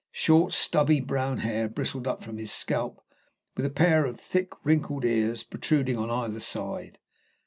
Short, stubbly brown hair bristled up from his scalp, with a pair of thick, wrinkled ears protruding on either side.